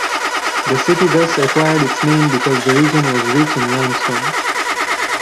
The city thus acquired its name because the region was rich in limestone.